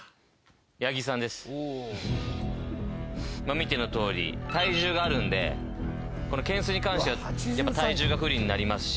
見てのとおり体重があるんで懸垂に関してはやっぱ体重が不利になりますし。